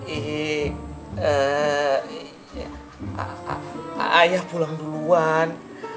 eh eh ayah pulang duluan